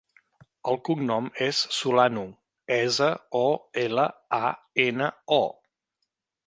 El cognom és Solano: essa, o, ela, a, ena, o.